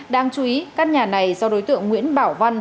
đang chú ý các nhà này do đối tượng nguyễn bảo văn